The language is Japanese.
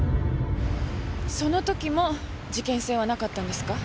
その時も事件性はなかったんですか？